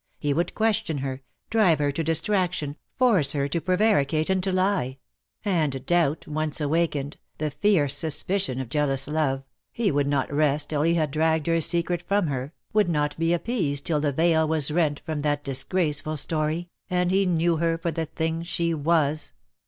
He would question her, drive her to distraction, force her to prevaricate and to lie; and doubt once DEAD LOVE HAS CHAINS. 239 awakened, the fierce suspicion of jealous love, he would not rest till he had dragged her secret from her, would not be appeased till the veil was rent from that disgraceful story, and he knew her for the thing she was.